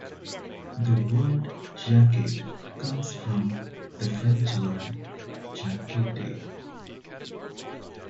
The word "jacket" comes from the French word "jaquette".